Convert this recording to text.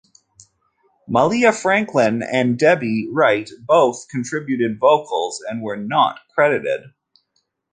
Mallia Franklin and Debbie Wright both contributed vocals and were not credited.